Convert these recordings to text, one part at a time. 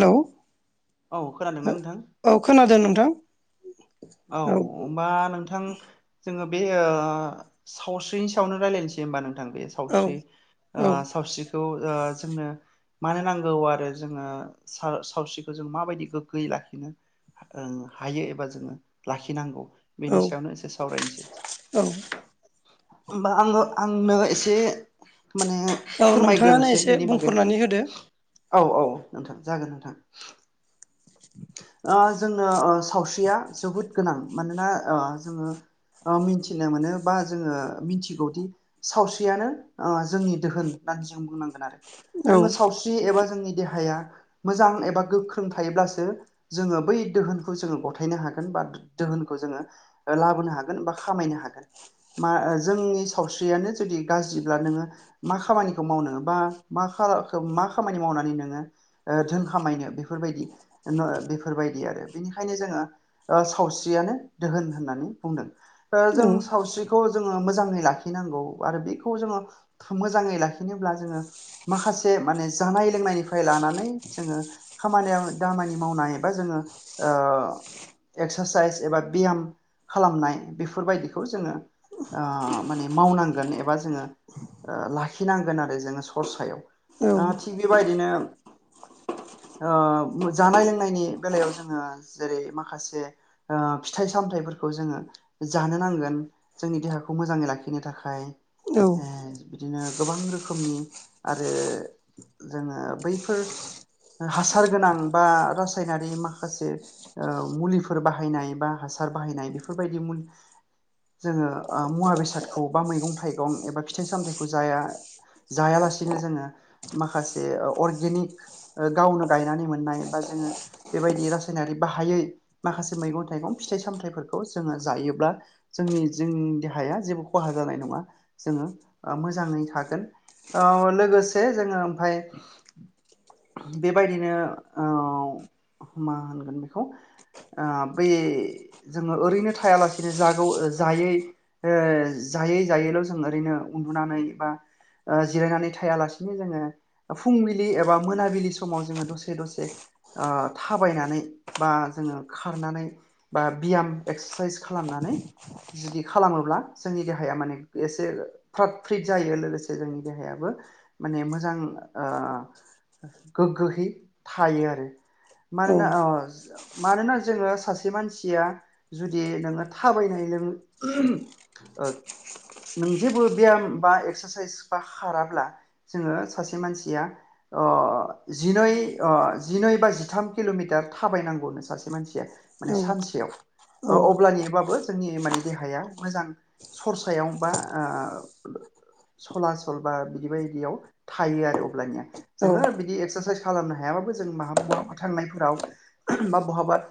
Hello. औ खोनादोंना नोंथां? औ खोनादों नोंथां। औ। होमबा नोंथां जोङो बे ओ सावस्रिनि सायावनो रायलायनोसै ओमबा नोंथां दे। औ सावस्रि ओ औ सावस्रिखौ ओ जोंनो मानो नांगौ आरो जोङो साव-सावस्रिखौ जों माबायदि गोग्गोयै लाखिनो? ओं हायो एबा जोङो लाखिनांगौ औ बेनि सायावनो एसे सावरायनोसै। औ होमबा आङो आंनो एसे माने औ नोंथाङानो फोरमायग्रोनोसै एसे बेनि बागै। बुंफोरनानै होदो औ औ नोंथां जागोन नोंथां। [inaudible] ओ जोंनो ओ सावस्रिया जोबोद गोनां मानोना ओ जोङो ओ मिथिनो मोनो बा जोङो मिथिगौदि सावस्रियानो जोंनि ओ दोहोन होननानै जों बुंनांगोन आरो। औ जोङो सावस्रि एबा जोंनि देहाया मोजां एबा गोख्रों थायोब्लासो जोङो बै दोहोनखौ जोङो गथायनो हागोन बा दोहोनखौ जोङो लाबोनो हागोन बा खामायनो हागोन। मा ओ जोंनि सावस्रियानो जुदि गाज्रिब्ला नोङो मा खामानिखौ मावनो बा मा खालारखौ मा खामानि मावनानै नोङो ओ धोन खामायनो बेफोरबायदि ओ बेफोरबायदि आरो बेनिखायनो जोङो ओ सावस्रियानो दोहोन होननानै बुंदों। ओ जों औ सावस्रि खौ जोङो मोजाङै लाखिनांगौ आरो बेखौ जोङो मोजाङै लाखिनोब्ला जोङो माखासे माने जानाय लोंनायनिफ्राय लानानै जोङो खामानियाव दामानि मावनाय एबा जोङो ओ एक्सारसाइस एबा बियाम खालामनाय बेफोरबायदिखौ जोङो ओ माने मावनांगोन एबा जोङो लाखिनांगोन आरो जोंङो सरसायाव। औ आ थिग बेबायदिनो ओ मो जानाय लोंनायनि बेलायाव जोङो जेरै माखासे ओ फिथाइ सामथायाइफोरखौ जोंङो जानो नांगोन। जोंनि देहाखौ मोजांङै लाखिनो थाखाय। औ ए बिदिनो गोबां रोखोमनि आरो जोंङो बैफोर हासार गोनां बा रासायनारि माखासे ओ मुलिफोर बाहायनाय बा हासार बाहायनाय बेफोरबायदि मुल जोङो ओ मुवा बेसादखौ बा मैगं थाइगं एबा फिथाइ सामथायाइखौ जाया। जायालासिनो जोङो माखासे ओ अरगेनिक गावनो गायनानै मोननाय बा जोङो बेबायदि रासायनारि बाहायै माखासे मैगं थाइगं फिथाइ सामथायाइफोरखौ जोङो जायोब्ला जोंनि जोंनि देहाया जेबो खहा जानाय नङा जोङो ओ मोजांङै थागोन। औ लोगोसे जोंङो ओमफाय बेबायदिनो ओव मा होनगोन बेखौ ओ बै जोङो ओरैनो थायालासिनो जागौ ओ जायै ओ जायै जायैल' जों ओरैनो उन्दुनानै बा ओ जिरायनानै थायालासिनो जोङो फुंबिलि एबा मोनाबिलि समाव जोङो दसे दसे से ओ थाबायनानै बा जोङो खारनानै बा बियाम एक्सारसाइस खालामनानै जुदि खालामोब्ला जोंनि देहाया माने एसे फ्राड फ्रिट जायो लोगोसे जोंनि देहायाबो माने मोजां ओ गोग्गोहै थायो आरो मानोना अज मानोना जोङो सासे मानसिया जुदि नोङो थाबायनाय नों [inaudible] नों जेबो बियाम बा एक्सारसाइस बा खाराब्ला जोङो सासे मानसिया अ जिनै अ जिनै बा जिथाम किल'मिटार थाबायनांगौनो सासे मानसिया माने सानसेयाव। ओ अब्लानिबाबो जोंनि माने देहाया मोजां सरसायाव बा आ सलासल बा बिदि बायदियाव थायो आरो अब्लानिया औ जोङो बिदि एक्सारसाइस खालामनो हायाबाबो जों माहा बहाबा थांनायफोराव बा बहाबा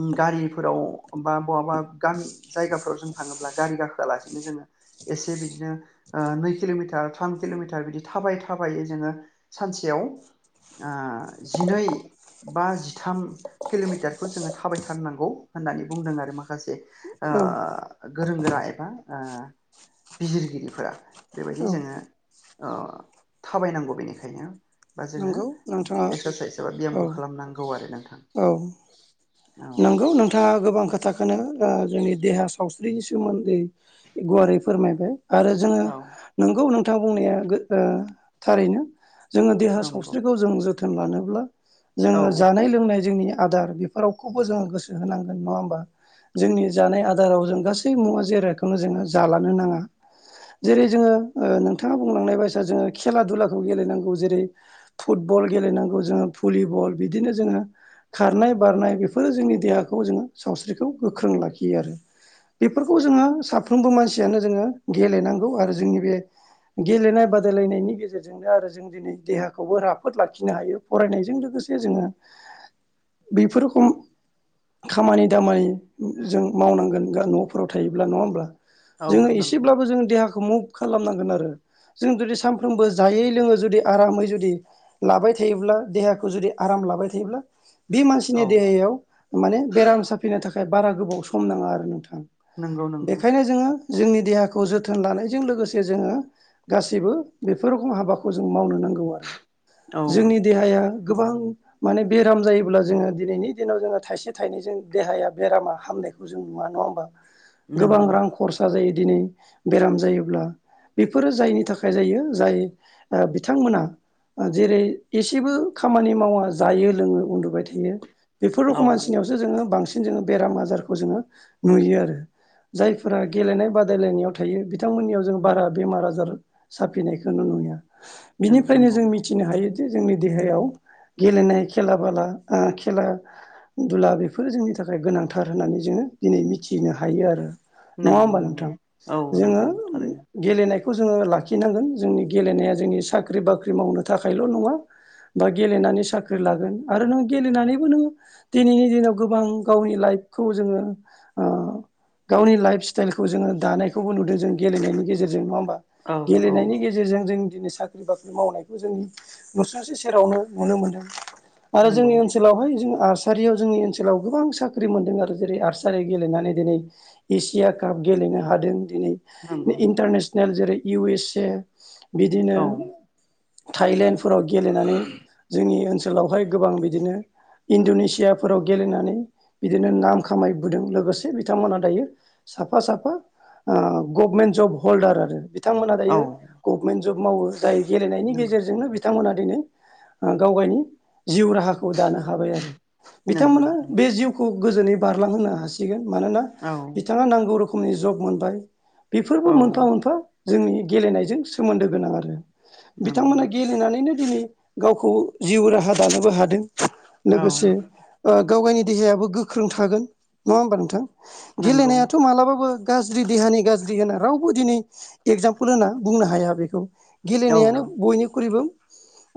उम गारिफोराव बा बहाबा गाम जायगाफोराव जों थाङोब्ला गारि गाखोआलासिनो जोङो एसे बिदिनो ओ नै किल'मिटार थाम किल'मिटार बिदि थाबायै थाबायै जोङो सानसेयाव आ जिनै बा जिथाम किल'मिटारखौ जोङो थाबायथारनांगौ होननानै बुंदों आरो माखासे औ ओ गोरों गोरा एबा ओ बिजिरगिरिफोरा बेबायदि औ जोङो अ थाबायनांगौ बेनिखायनो बा जोङो नंगौ नोंथाङा एक्सारसाइस एबा औ बियामखौ खालामनांगौ आरो नोंथां औ। थाङा गोबां खोथाखोनो ओ जोंनि देहा सावस्रिनि सोमोन्दै गुवारै फोरमायबाय। आरो जोङो औ नोंगौ नोंथांङा बुंनाया गो ओ थारैनो। जोङो देहा नंगौ सावस्रि खौ जों जोथोन लानोब्ला जोङो औ जानाय लोंनाय जोंनि आदार बि रावखौबो जोङो गोसो होनांगोन। नङा होमबा? जोंनि जानाय आदाराव जों गासै मुवा जिरायखौनो जोङो जालानो नाङा। जेरै जोङो ओ नोंथाङा बुंलांनाय बायसा जोङो खेला दुलाखौ गेलेनांगौ। जेरै फुटबल गेलेनांगौ जोङो भुलिबल बिदिनो जोङो खारनाय बारनाय बेफोरो जोंनि देहाखौ जोङो सावस्रिखौ गोख्रों लाखियो आरो। बेफोरखौ जोङो साफ्रोमबो मानसियानो जोङो गेलेनांगौ आरो जोंनि बे गेलेनाय बादायलायनायनि गेजेरजोंनो आरो जों दिनै देहा खौबो राफोद लाखिनो हायो फरायनायजों लोगोसे जोङो बेफोर रखम खामानि दामानि जों मावनांगोन गा न'फोराव थायोब्ला। नङा होमब्ला? औ जोङो नंगौ इसेब्लाबो जोङो देहाखौ मुभ खालामनांगोन आरो जों जुदि सानफ्रामबो जायै लोङै जुदि आरामै जु दि लाबाय थायोब्ला देहाखौ जुदि आराम लाबाय थायोब्ला बि औ मानसिनि देहायाव माने बेराम साफिनो थाखाय बारा गोबाव सम नाङा आरो नोंथां। नंगौ नंगौ बेखायनो जोङो जोंनि देहाखौ जोथोन लानायजों लोगोसे जोङो गासैबो बेफोर रखम हाबाखौ जों मावनो नांगौ आरो। औ जोंनि देहाया गोबां माने बेराम जायोब्ला जोङो दिनैनि दिनाव जोङो थाइसे थाइनैजों देहाया बेरामा हामनायखौ खौ जों नुवा। नङा होमबा? गोबां नंगौ रां खरसा जायो दिनै बेराम जायोब्ला। बेफोरो जायनि थाखाय जायो जाय ओ बिथांमोना ओ जेरै एसेबो खामानि मावा जायो लोङो उन्दुबाय थायो बेफोर औ रखम मानसिनियाव सो जोङो बांसिन जोङो बेराम आजारखौ जोङो नुयो आरो। जायफोरा गेलेनाय बादायलायनायाव थायो बिथांमोननियाव जों बारा बेमार आजार साफिनायखोनो नुनो मोना। जों बिनिफ्रायनो नंगौ जों मि थिनो हायो दि जोंनि देहायाव गेलेनाय खेला बाला ओ खेला दुला बेफोरो जोंनि थाखाय गोनांथार होननानै जोङो दिनै मिथिनो हायो आरो। नङा नंगौ होमबा नंगौ नोंथां? औ जोङो नंगौ थारैनो गेलेनायखौ जोङो लाखिनांगोन। जोंनि गेलेनाया जोंनि साख्रि बाख्रि मावनो थाखायल' नङा। बा गेलेनानै साख्रि लागोन आरो नों गेलेनानैबो नोङो दिनैनि दिनाव गोबां गावनि लाइफखौ जोङो ओ गावनि लाइफ स्टाइलखौ जोङो दानायखौबो नुदों जों गेलेनायनि गेजेरजों। नङा होमबा? औ औ गेलेनायनि गेजेरजों जों दिनै साख्रि बाख्रि मावनाय खौ जों नुसुंसे सेरावनो नुनो मोनदों आरो नंगौ जोंनि ओनसोलावहाय जों आर सारियाव जोंनि ओनसोलाव गोबां साख्रि मोन्दों आरो जेरै आर्सारि गेलेनानै दिनै एसिया काप गेलेनो हादों दिनै। नंगौ इन्टारनेसनेल जेरै इउ एस ए बिदिनो औ थाइलेण्डफोराव गेलेनानै जोंनि ओनसोलावहाय गोबां बिदिनो इण्ड'नेसियाफोराव गेलेनानै बिदिनो नाम खामायबोदों लोगोसे बिथांमोनहा दायो साफा साफा ओ गभमेन्ट जब हल्दार आरो। थांमोनहा औ दायो गभमेन्ट जब मावो जाय गेलेनायनि नंगौ गेजेरजोंनो बिथ थांमोना दिनै ओ गावगायनि जिउ राहा खौ दानो हाबाय आरो। नंगौ बिथांमोना नंगौ बे जिउखौ गोजोनै बारलांहोनो हासिगोन मानोना औ बिथाङा नांगौ रोखोमनि जब मोनबाय। बेफोरबो औ मोनफा मोनफा जोंनि गेलेनायजों सोमोन्दो गोनां आरो। नंगौ बिथांमोना गेलेनानैनो दिनै गावखौ जिउ राहा दानोबो हादों। औ लोगोसे ओ गावगायनि देहायाबो गोख्रों थागोन। नङा होमबा नोंथां? नंगौ गेलेनायाथ' मालाबाबो गाज्रि देहानि गाज्रि होनना रावबो दिनै एगजामपोल होना बुंनो हाया बेखौ। औ गेलेनायानो बयनिख्रुइबो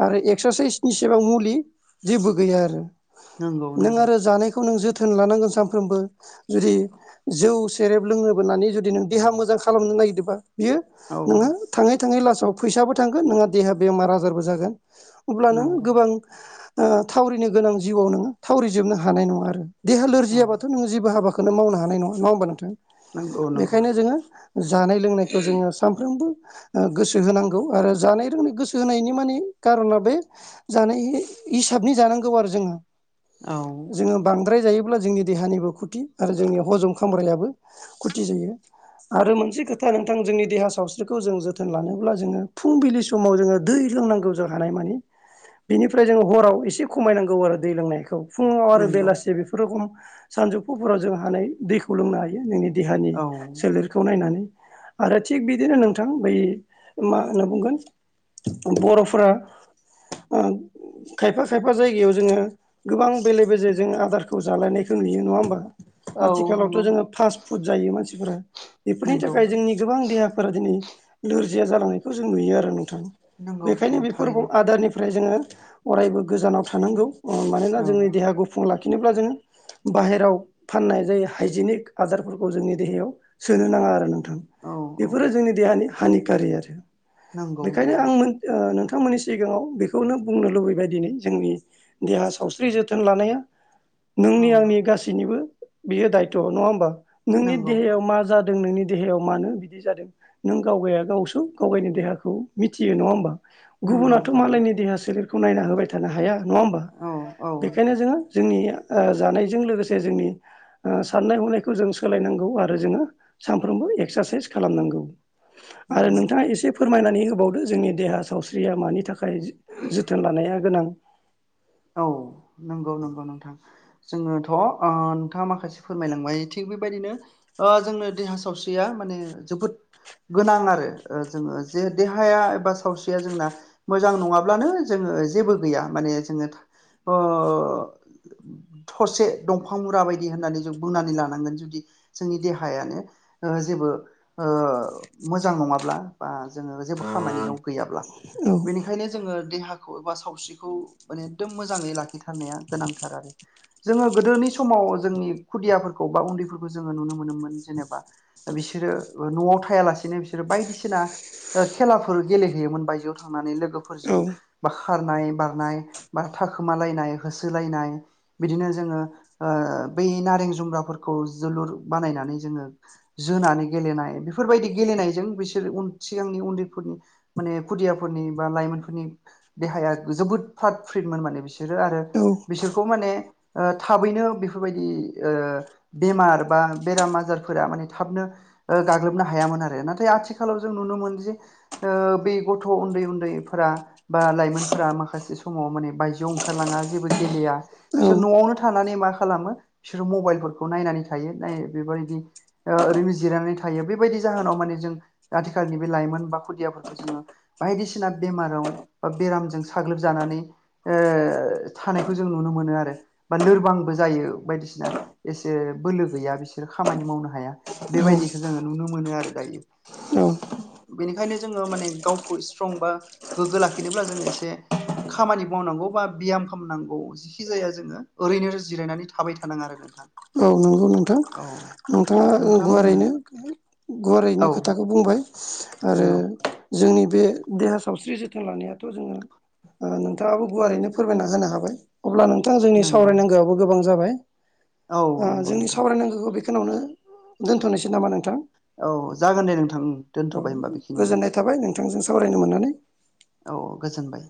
आरो एक्सारसाइसनि सेबां मुलि जेबो गैया आरो। नंगौ नों नंगौ आरो जानायखौ नों जोथोन लानांगोन सामफ्रोमबो। जुदि जौ सेरेब लोङोबोनानै जुदि नों देहा मोजां खालामनो नागिरदोबा बियो औ नोङो थाङै थाङै लासाव फैसाबो थांगोन नोंहा देहा बेमार आजारबो जागोन। अब्ला नोङो नंगौ गोबां ओ थावरिनो गोनां जिउआव नोङो थावरि जोबनो हानाय नङा आरो देहा औ लोरजियाबाथ' नों जेबो हाबाखोनो मावनो हानाय नङा। नङा होनबा नोंथां? नंगौ नंगौ बेखायनो जोङो जानाय लोंनायखौ जोङो सामफ्रोमबो ओ गोसो होनांगौ आरो जानाय जोंनि गोसो होनायनि माने कारना बे जानाय इ हिसाबनि जानांगौ आरो जोङो। औ जोङो बांद्राय जायोब्ला जोंनि देहानिबो खुथि आरो जोंनि हजम खामग्रायाबो खुथि जायो। आरो मोनसे खोथा नोंथां जोंनि देहा सावस्रिखौ जों जोथोन लानोब्ला जोङो फुंबिलि समाव जोङो दै लोंनांगौ जों हानाय मानि। बिनिफ्राय जोङो हराव एसे खमायनांगौ आरो दै लोंनायखौ। फुङाव आरो नंगौ बेलासि बेफोर रखम सानजौफुफोराव जों हानाय दैखौ लोंनो हायो नोंनि देहानि औ सोलेर खौ नायनानै आरो थिग बिदिनो नोंथां बै मा होनना बुंगोन बर'फोरा ओन खायफा खायफा जायगायाव जोङो गोबां बेले बेजे जों आदारखौ जालायनायखौ नुयो। नङा होमबा? औ नंगौ आथिखालावथ' जोङो फास्ट फुड जायो मानसिफोरा बेफोरनि नंगौ थाखाय जोंनि गोबां देहाफोरा दिनै लोरजिया जालांनायखौ जों नुयो आरो नोंथां। नंगौ बेखायनो नंगौ बेफोर थारैनो आदारनिफ्राय जोङो अरायबो गोजानाव थानांगौ ओ मानोना औ जोंनि देहा गुफुं लाखिनोब्ला जोङो बाहेराव फाननाय जाय हाइजेनिक आदारफोरखौ जोंनि देहायाव सोनो नाङा आरो नों थां औ औ बेफोरो जोंनि देहानि हानिकारि आरो। नंगौ बेखायनो नंगौ आं मोन ओ नोंथांमोननि सिगाङाव बेखौनो बुंनो लुबैबाय दिनै जोंनि देहा सावस्रि जोथोन लानाया औ नोंनि आंनि गासैनिबो बियो दायथ' नङा होमबा नोंनि नंगौ देहायाव मा जा दों नोंनि देहायाव मानो बिदि जादों नों गावगाया गावसो गावगायनि देहाखौ मिथियो। नङा होमबा? नंगौ गुबुनाथ' थारैनो मालायनि देहा सोलेरखौ नायना होबाय थानो हाया नङा होमबा? औ औ बेखायनो जोङो जोंनि ओ जानायजों लोगोसे जोंनि ओ साननाय हनायखौ जों सोलायनांगौ आरो जोङो सानफ्रोमबो एक्सारसाइस खालामनांगौ। आरो नंगौ नोंथाङा एसे फोरमायनानै होबावदो जोंनि देहा सावस्रिया मानि था खाय जोथोन लानाया गोनां। औ नंगौ नंगौ नोंथां। जोङोथ' ओ नोंथाङा माखासे फोरमायलांबाय थिग बेबायदिनो ओ जोंनो देहा सावस्रिया माने जोबोद गोनां आरो ओ जोङो जे देहाया एबा सावस्रिया जोंना मोजां नङाब्लानो जोङो जेबो गैया माने जोङो था अ थरसे दंफां मुरा बायदि होननानै जों बुंनानै लानांगोन जुदि जोंनि देहायानो ओ जेबो ओ मोजां नङाब्ला। बा जोङो औ जेबो खामानियाव गैयाब्ला औ बेनि खायनो जोङो देहाखौ एबा सावस्रिखौ माने दोम मोजाङै लाखिथारनाया गोनांथार आरो। जोङो गोदोनि समाव जोंनि खुदियाफोरखौ बा उन्दैफोरखौ जोङो नुनो मोनोमोन जेनेबा बिसोरो न'आव थायालासिनो बिसोरो बायदिसिना ओ खेलाफोर गेलेहैयोमोन बायजोआव थांनानै औ लोगोफोरजों बा खारनाय बारनाय बा थाखोमा लायनाय होसो लायनाय बिदिनो जोङो ओ बै नारें जुमब्राफोरखौ जोलुर बानायनानै जोङो जोनानै गेलेनाय बेफोरबायदि गेलेनायजों बिसोरो उन सिगांनि उन्दैफोरनि माने खुदियाफोरनि बा लाइमोनफोरनि देहाया जोबोद फ्राद फ्रिदमोन माने बिसोरो आरो बिसोरखौ माने ओ थाबैनो बेफोरबायदि ओ बेमार बा बेराम आजारफोरा माने थाबनो ओ गाग्लोबनो हायामोन आरो नाथाय आथिखालाव जों नुनो मोन जे ओ बे गथ' उन्दै उन्दैफोरा बा लाइमोनफोरा माखासे समाव माने बायजोआव ओंखारलाङा जेबो गेलेया औ बिसोर न'आवनो थानानै मा खालामो बिसोरो मबाइलफोरखौ नायनानै थायो नाय बेबायदि ओ ओरैनो जिरायनानै थायो बेबायदि जाहोनाव माने जों आथिखालनि बे लाइमोन बा खुदियाफोरखौ जोङो बायदिसिना बेमाराव बा बेरामजों साग्लोबजानानै ओ थानायखौ जों नुनो मोनो आरो बा लोरबांबो जायो बायदिसिना एसे बोलो गैया बिसोरो खामानि मावनो हाया। बेबायदिखौ जोङो नुनो मोनो आरो दायो। औ बेनिखायनो जोङो माने गावखौ स्ट्रं बा गोग्गो लाखिनोब्ला जोङो एसे खामानि मावनांगौ बा बियाम खालामनांगौ। जिखि जाया जोङो ओरैनो जिरायनानै थाबाय थानाङा आरो नोंथां औ नंगौ नोंथां औ नोंथाङा नोंथां होमबा गुवारैनो गुवारैनो औ खोथाखौ बुंबाय आरो नंगौ जोंनि बे देहा सावस्रि जोथोन लानायाथ' जोङो ओ नोंथाङाबो गुवारैनो फोरमायना होनो हाबाय अब्ला नोंथां जोंनि नंगौ सावरायनांगौआबो गोबां जाबाय औ ओ नंगौ जोंनि नोंथां सावरायनांगौखौ बेखिनियावनो दोन्थ'नोसै नामा नोंथां? औ जागोन दे नोंथां औ दोनथ'बाय होमबा बेखिनियावनो गोजोननाय थाबाय नोंथांजों सावरायनो मोननानै औ औ गोजोनबाय